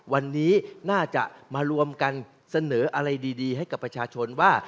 วันนี้น่าจะมารวมกันเสนออะไรดีให้กับประชาชนว่า